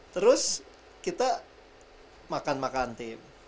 terus kita makan makan tim